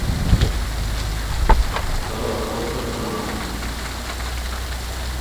Todos los puestos son honoríficos.